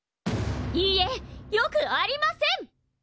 いいえよくありません！